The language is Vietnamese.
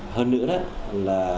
hơn nữa là